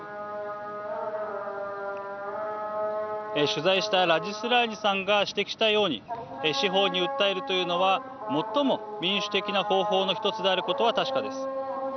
取材したラジ・スラーニさんが指摘するように司法に訴えるというのは最も民主的な方法の一つであることは確かです。